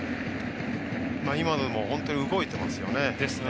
本当に動いてますよね。